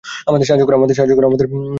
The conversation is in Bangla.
আমাদের সাহায্য করো!